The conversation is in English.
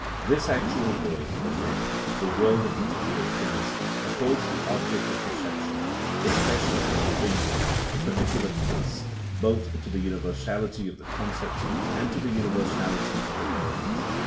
This actual world, then, the world of particular things, affords the object of perception, the special and individual, the particular case, both to the universality of the concepts and to the universality of the melodies.